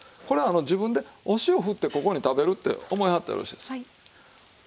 これ自分でお塩を振ってここに食べるって思いはったらよろしいですよ。